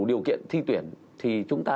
điều kiện thi tuyển thì chúng ta